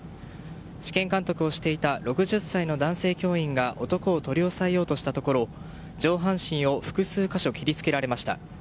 試験監督をしていた６０歳の男性教員が男を取り押さえようとしたところ上半身を複数箇所切り付けられました。